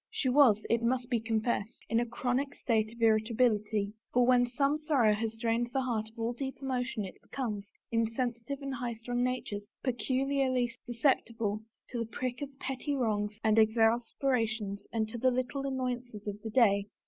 She was, it must be confessed, in a chronic state of irritability, for when some sorrow has drained the heart of all deep emotion it becomes, in sensitive and highstrung natures, peculiarly susceptible to the prick of petty wrongs and exasperations and 35 THE FAVOR OF KINGS to the little annoyances of the day.